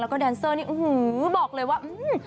แล้วก็แดนเซอร์นี่อื้อหือบอกเลยว่าอืม